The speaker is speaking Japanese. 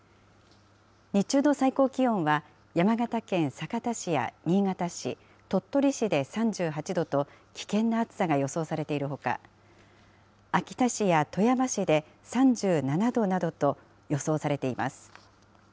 日中の最高気温は、山形県酒田市や新潟市、鳥取市で３８度と、危険な暑さが予想されているほか、秋田市や富山市で３７度などと、予想されています。